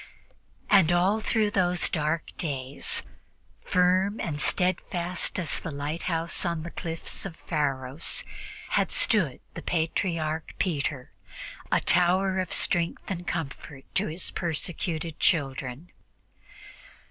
And all through those dark days, firm and steadfast as the lighthouse on the cliffs of Pharos, had stood the Patriarch Peter, a tower of strength and comfort to his persecuted children.